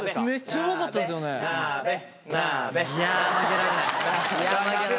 いや負けられない。